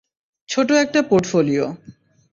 ছোট একটা পোর্টফোলিও।